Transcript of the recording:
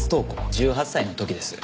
１８歳の時です。